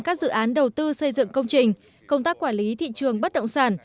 các dự án đầu tư xây dựng công trình công tác quản lý thị trường bất động sản